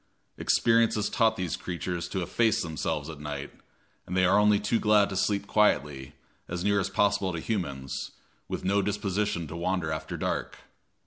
Experience has taught these creatures to efface themselves at night, and they are only too glad to sleep quietly, as near as possible to humans, with no disposition to wander after dark.